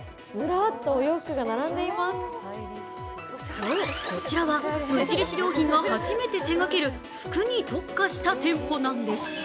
そう、こちらは無印良品が初めて手がける服に特化した店舗なんです。